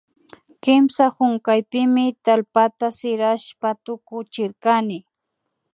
Kimsa hunkaypimi tallpata sirashpa tukuchirkani